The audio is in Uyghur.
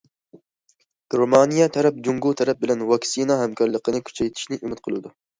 گېرمانىيە تەرەپ جۇڭگو تەرەپ بىلەن ۋاكسىنا ھەمكارلىقىنى كۈچەيتىشنى ئۈمىد قىلىدۇ.